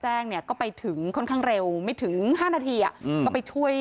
แจ้งเนี่ยก็ไปถึงค่อนข้างเร็วไม่ถึง๕นาทีก็ไปช่วย